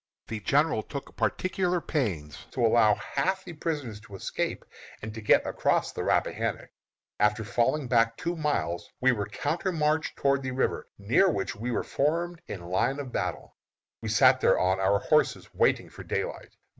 The general took particular pains to allow half the prisoners to escape and to get across the Rappahannock. After falling back two miles, we were countermarched toward the river, near which we were formed in line of battle. We sat there on our horses waiting for daylight.